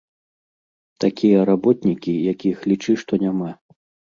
Такія работнікі, якіх лічы што няма.